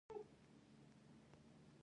نوکرانو ته پاکې جامې او روغ صورت پکار دی.